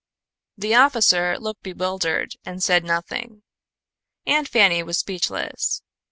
The officer looked bewildered, and said nothing. Aunt Fanny was speechless.